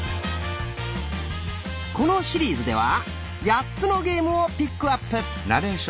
このシリーズでは８つのゲームをピックアップ。